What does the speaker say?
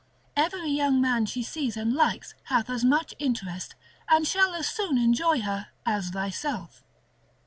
Every young man she sees and likes hath as much interest, and shall as soon enjoy her as thyself.